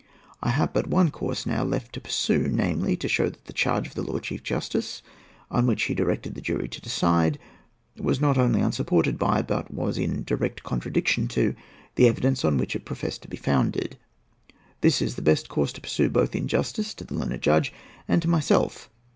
I have but one course now left to pursue, namely, to show that the charge of the Lord Chief Justice, on which he directed the jury to decide, was not only unsupported by, but was in direct contradiction to, the evidence on which it professed to be founded. This is the best course to pursue both in justice to the learned judge and to myself.